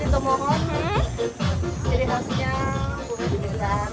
dalam rangka festival asal atlambe